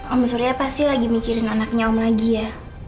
om surya pasti lagi mikirin anaknya om lagi ya